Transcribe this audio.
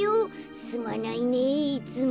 「すまないねぇいつも」。